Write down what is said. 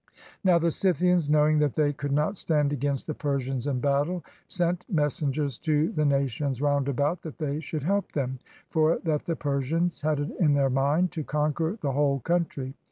Now the Scythians, knowing that they could not stand against the Persians in battle, sent messengers to the nations roundabout that they should help them, for that the Persians had it in their mind to conquer the whole country.